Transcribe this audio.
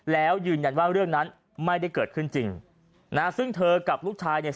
แล้วยืนยันว่าเรื่องนั้นไม่ได้เกิดขึ้นจริงนะซึ่งเธอกับลูกชายเนี่ย